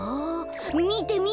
みてみて！